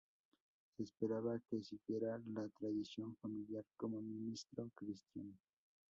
Se esperaba que siguiera la tradición familiar como ministro cristiano.